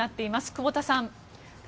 久保田さん。